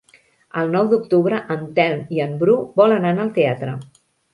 El nou d'octubre en Telm i en Bru volen anar al teatre.